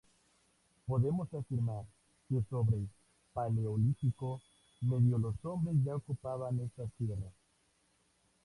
Podemos afirmar que sobre Paleolítico medio los hombres ya ocupaban estas tierras.